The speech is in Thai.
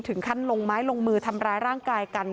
ถึงขั้นลงไม้ลงมือทำร้ายร่างกายกัน